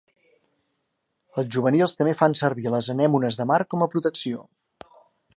Els juvenils també fan servir les anemones de mar com a protecció.